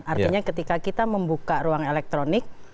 artinya ketika kita membuka ruang elektronik